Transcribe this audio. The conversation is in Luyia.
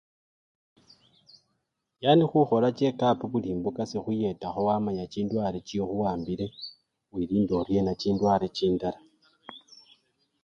Yani khukhola chekapu bulimbuka sikhuyetakho wamanya chindwale chikhuwambile, wilinda oryena chindwale chindala.